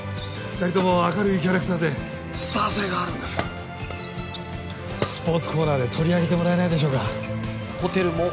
二人とも明るいキャラクターでスター性があるんですスポーツコーナーで取り上げてもらえないでしょうかホテルもＯＫ